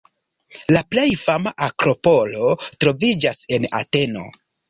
La plej fama akropolo troviĝas en Ateno.